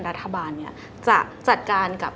เราอยากจะถามคุณโรมคือ